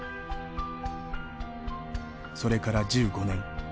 それから１５年。